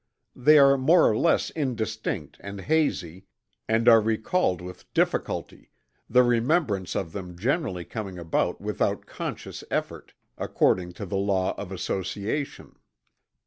They are more or less indistinct and hazy, and are recalled with difficulty, the remembrance of them generally coming about without conscious effort, according to the law of association.